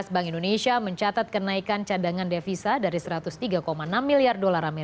bank indonesia mencatat kenaikan cadangan devisa dari satu ratus tiga enam miliar